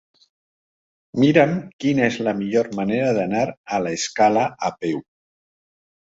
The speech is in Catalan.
Mira'm quina és la millor manera d'anar a l'Escala a peu.